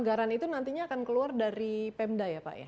jadi itu nantinya akan keluar dari pemda ya pak ya